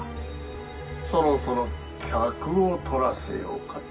・そろそろ客を取らせようかと。